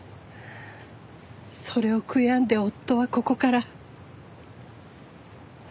それを悔やんで夫はここから。